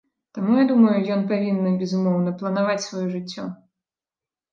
Таму я думаю, ён павінны, безумоўна, планаваць сваё жыццё.